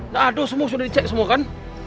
dado semua sudah dicek semua kan